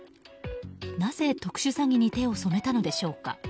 なぜ特殊詐欺に手を染めたのでしょうか。